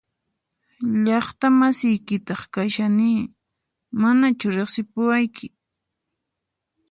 Llaqta masiykitaq kashani ¿Manachu riqsipuwanki?